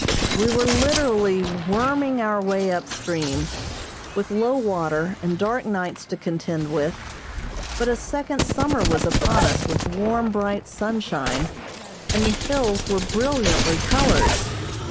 We were literally worming our way up stream, with low water and dark nights to contend with, but a second summer was upon us with warm, bright sunshine, and the hills were brilliantly colored.